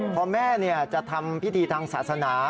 พอแม่จะทำพิธีทางศาสนา